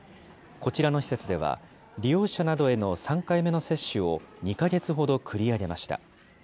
こちらの施設では、利用者などへの３回目の接種を２か月ほど繰り上げました。